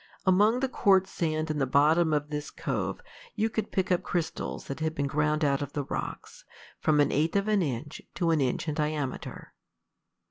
Among the quartz sand in the bottom of this cove you could pick up crystals that had been ground out of the rocks, from an eighth of an inch to an inch in diameter.